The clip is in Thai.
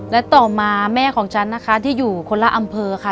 และต่อมาแม่ของฉันนะคะที่อยู่คนละอำเภอค่ะ